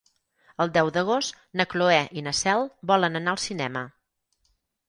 El deu d'agost na Cloè i na Cel volen anar al cinema.